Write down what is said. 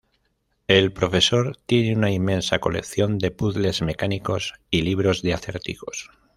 El profesor tiene una inmensa colección de puzles mecánicos y libros de acertijos.